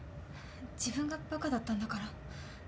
自分が馬鹿だったんだから。